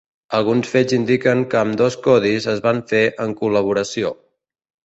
Alguns fets indiquen que ambdós codis es van fer en col·laboració.